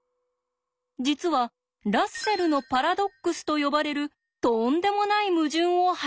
実はラッセルのパラドックスと呼ばれるとんでもない矛盾をはらんでいるのです。